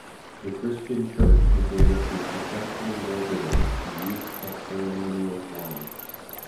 The Christian Church was able to successfully regulate the use of ceremonial wine.